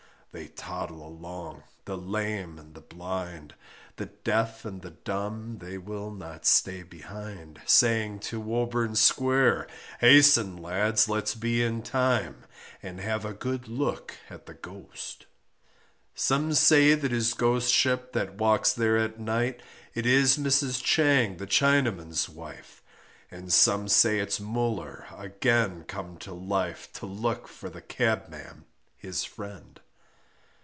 They toddle along, the lame and the blind, The deaf and the dumb they will not stay behind, Saying, to Woburn Square, hasten lads, let's be in time, And have a good look at the Ghost. Some say that his Ghostship that walks there at night, It is Mrs. Chang the Chinaman's wife, And some say it's Muller again come to life, To look for the cabman his friend.